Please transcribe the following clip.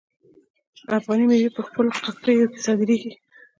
افغاني میوې په ښکلو قطیو کې صادریږي.